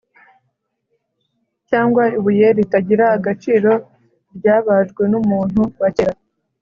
cyangwa ibuye ritagira agaciro ryabajwe n’umuntu wa kera.